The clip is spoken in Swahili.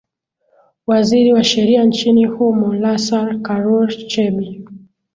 waziri wa sheria nchini humo lasar karur chebi